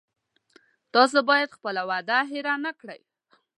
تاسو باید خپله وعده هیره نه کړی